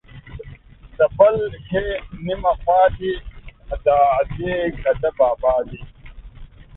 د بل ښې نيمه خوا دي ، که د ادې که د بابا دي.